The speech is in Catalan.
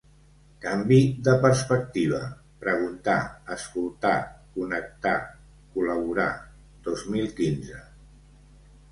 Canvi de perspectiva: preguntar, escoltar, connectar, col·laborar, dos mil quinze.